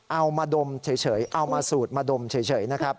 เอามาดมเฉยเอามาสูดมาดมเฉยนะครับ